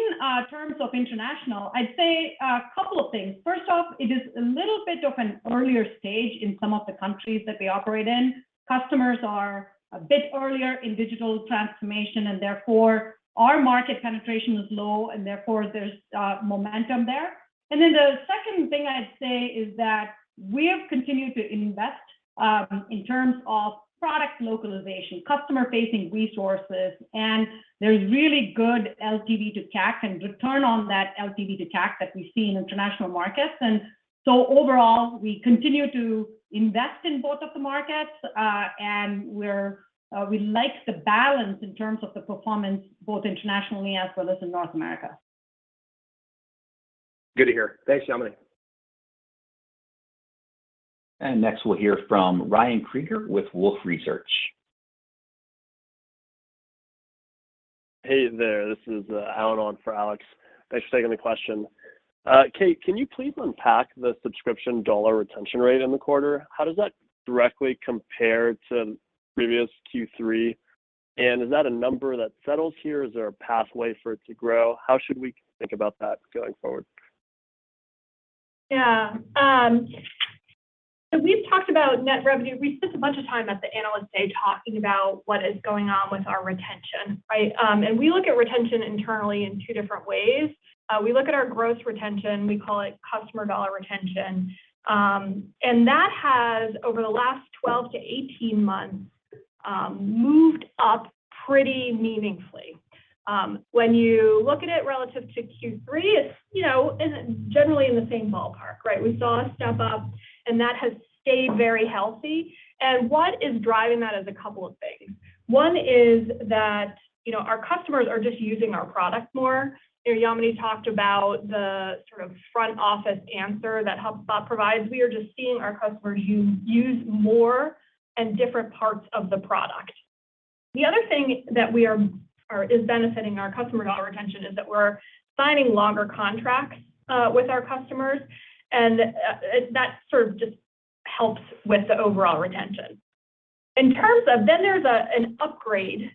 C: terms of international, I'd say a couple of things first off, it is a little bit of an earlier stage in some of the countries that we operate in. Customers are a bit earlier in digital transformation, and therefore our market penetration is low, and therefore there's momentum there. Then the second thing I'd say is that we have continued to invest in terms of product localization, customer-facing resources, and there's really good LTV to CAC and return on that LTV to CAC that we see in international markets. Overall, we continue to invest in both of the markets, and we like the balance in terms of the performance both internationally as well as in North America.
U: Good to hear. Thanks, Yamini.
A: Next, we'll hear from Ryan Krieger with Wolfe Research.
V: Hey there. This is Alan on for Alex. Thanks for taking the question. Kate, can you please unpack the subscription dollar retention rate in the quarter? How does that directly compare to previous Q3? Is that a number that settles here? Is there a pathway for it to grow? How should we think about that going forward?
D: Yeah. We've talked about net revenue we spent a bunch of time at the Analyst Day talking about what is going on with our retention, right? We look at retention internally in two different ways. We look at our gross retention we call it customer dollar retention. That has, over the last 12 to 18 months, moved up pretty meaningfully. When you look at it relative to Q3, it's, you know, and generally in the same ballpark, right? We saw a step up, and that has stayed very healthy. What is driving that is a couple of things. One is that, you know, our customers are just using our product more. You know, Yamini talked about the sort of front office answer that HubSpot provides we are just seeing our customers use more and different parts of the product. The other thing that we are benefiting our customer dollar retention is that we're signing longer contracts with our customers, and that sort of just helps with the overall retention. In terms of, then there's an upgrade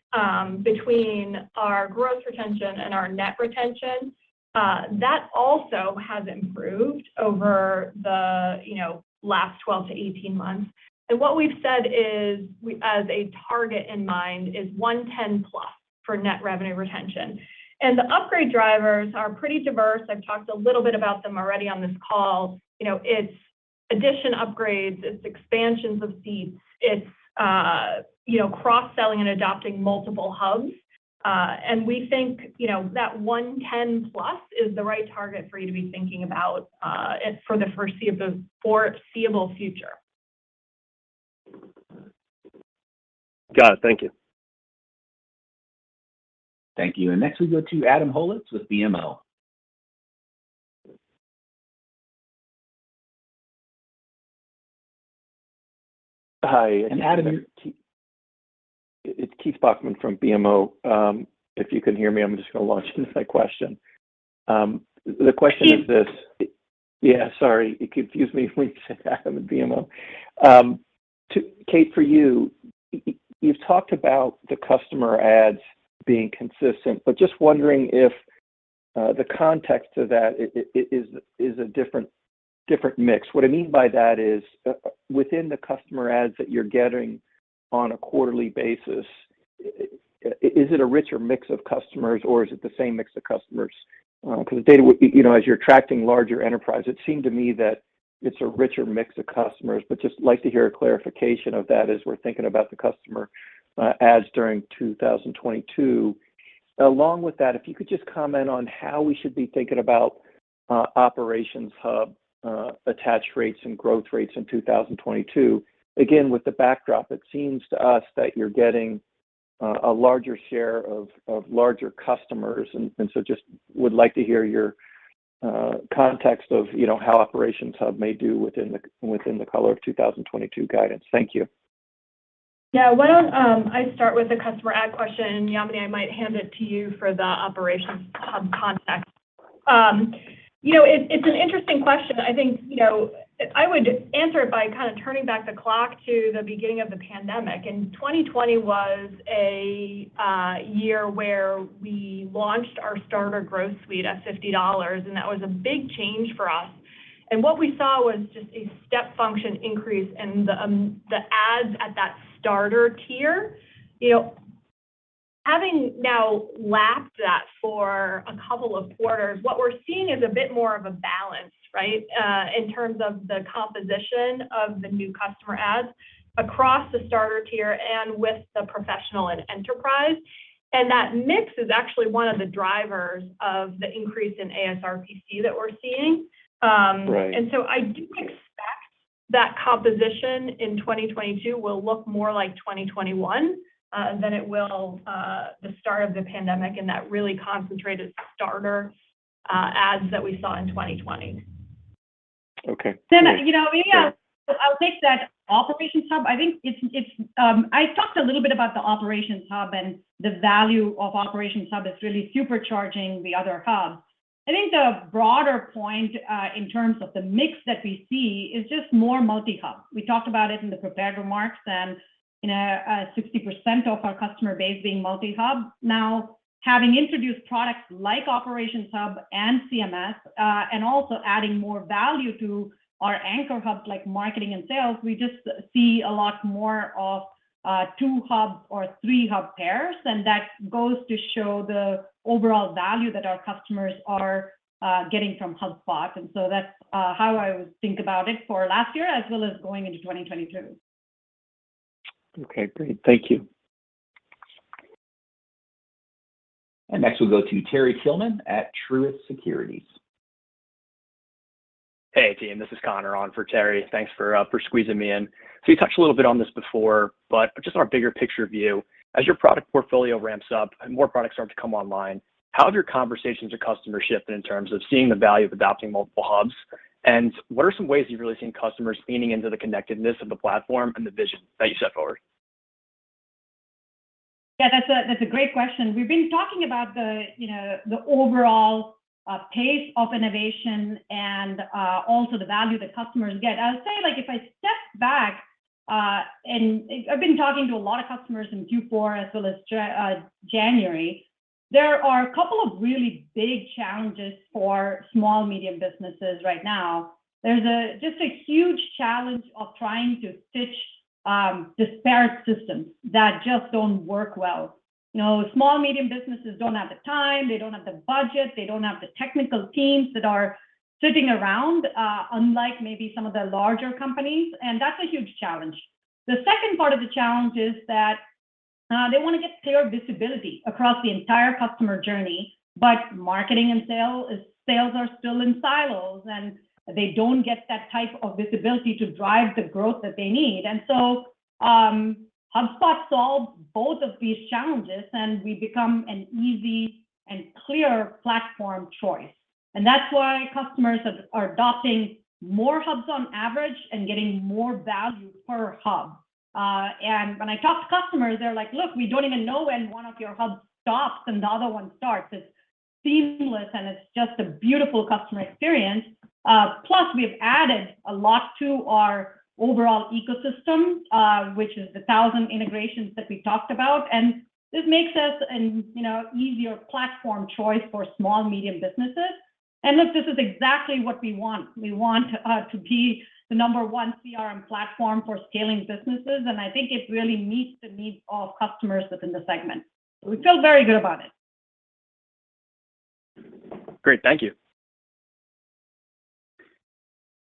D: between our gross retention and our net retention. That also has improved over the, you know, last 12 to 18 months and what we've said is we have a target in mind is +110. For net revenue retention. The upgrade drivers are pretty diverse. I've talked a little bit about them already on this call. You know, it's addition upgrades, it's expansions of seats, it's, you know, cross-selling and adopting multiple hubs. We think, you know, that +110 is the right target for you to be thinking about, for the foreseeable future.
W: Got it. Thank you.
A: Thank you. Next we go to Keith Bachman with BMO.
X: Hi, Adam, you're- It's Keith Bachman from BMO. If you can hear me, I'm just gonna launch into my question. The question is this-
C: Keith.
X: Yeah, sorry. It confused me when you said Keith Bachman and BMO. Kate, for you've talked about the customer adds? being consistent, but just wondering if the context of that is a different mix what I mean by that is, within the customer adds that you're getting on a quarterly basis, is it a richer mix of customers or is it the same mix of customers? 'Cause the data would you know, as you're attracting larger enterprise, it seemed to me that it's a richer mix of customers, but just like to hear a clarification of that as we're thinking about the customer adds during 2022. Along with that, if you could just comment on how we should be thinking about Operations Hub attach rates and growth rates in 2022. Again, with the backdrop, it seems to us that you're getting a larger share of larger customers, and so just would like to hear your context of, you know, how Operations Hub may do within the color of 2022 guidance. Thank you.
D: Why don't I start with the customer add question, and Yamini, I might hand it to you for the Operations Hub context. You know, it's an interesting question i think, you know, I would answer it by kind of turning back the clock to the beginning of the pandemic and 2020 was a year where we launched our Starter Growth Suite at $50, and that was a big change for us. What we saw was just a step function increase in the adds at that Starter tier. You know, having now lapped that for a couple of quarters, what we're seeing is a bit more of a balance, right, in terms of the composition of the new customer adds across the Starter tier and with the Professional and Enterprise. That mix is actually one of the drivers of the increase in ASRPC that we're seeing.
X: Right
D: I do expect that composition in 2022 will look more like 2021? than it will the start of the pandemic and that really concentrated starter adds that we saw in 2020.
X: Okay.
C: Yamini, you know.
X: Yeah
C: Maybe I'll take that Operations Hub i think it's i talked a little bit about the Operations Hub and the value of Operations Hub it's really supercharging the other hubs. I think the broader point in terms of the mix that we see is just more multi-hub. We talked about it in the prepared remarks and, you know, 60% of our customer base being multi-hub. Now, having introduced products like Operations Hub and CMS, and also adding more value to our anchor hubs like marketing and sales, we just see a lot more of two-hub or three-hub pairs, and that goes to show the overall value that our customers are getting from HubSpot and so that's how I would think about it for last year as well as going into 2022.
X: Okay, great. Thank you.
A: Next we'll go to Terry Tillman at Truist Securities.
Y: Hey, team, this is Connor on for Terry. Thanks for for squeezing me in. You touched a little bit on this before, but just on a bigger picture view, as your product portfolio ramps up and more products start to come online, how have your conversations with customers shifted in terms of seeing the value of adopting multiple Hubs? And what are some ways you've really seen customers leaning into the connectedness of the platform and the vision that you set forward?
C: Yeah, that's a great question we've been talking about the, you know, the overall pace of innovation and also the value that customers get i would say, like, if I step back and I've been talking to a lot of customers in Q4 as well as January, there are a couple of really big challenges for small and medium businesses right now. There's just a huge challenge of trying to stitch disparate systems that just don't work well. You know, small and medium businesses don't have the time, they don't have the budget, they don't have the technical teams that are sitting around, unlike maybe some of the larger companies, and that's a huge challenge. The second part of the challenge is that they wanna get clear visibility across the entire customer journey, but marketing and sales are still in silos, and they don't get that type of visibility to drive the growth that they need. HubSpot solves both of these challenges, and we become an easy and clear platform choice. That's why customers are adopting more hubs on average and getting more value per hub. When I talk to customers, they're like, "Look, we don't even know when one of your hubs stops and the other one starts. It's seamless, and it's just a beautiful customer experience." Plus we've added a lot to our overall ecosystem, which is the 1,000 integrations that we talked about, and this makes us an, you know, easier platform choice for small and medium businesses. Look, this is exactly what we want. We want to be the number one CRM platform for scaling businesses, and I think it really meets the needs of customers within the segment. We feel very good about it.
Z: Great. Thank you.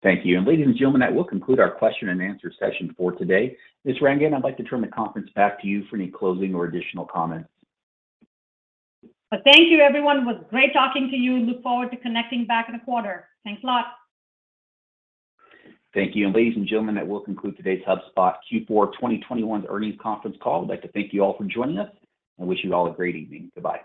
A: Thank you. Ladies and gentlemen, that will conclude our question and answer session for today. Ms. Rangan, I'd like to turn the conference back to you for any closing or additional comments.
C: Thank you, everyone. It was great talking to you look forward to connecting back in a quarter. Thanks a lot.
A: Thank you. Ladies and gentlemen, that will conclude today's HubSpot Q4 2021 earnings conference call. I'd like to thank you all for joining us and wish you all a great evening. Goodbye.